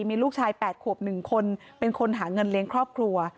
มีลูกชาย๘ขวบ๑คนเป็นคนหาเงินเลี้ยงครอบครัว